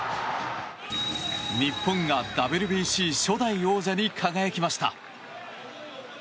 日本がＷＢＣ初代王者に輝きました。